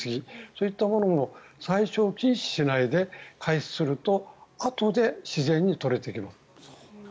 そういったものも最初禁止しないで開始するとあとで自然に取れてきます。